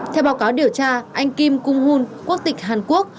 theo báo cáo điều tra anh kim kung hun quốc tịch hàn quốc